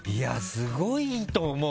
すごいと思う。